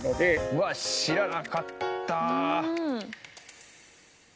うわっ知らなかった！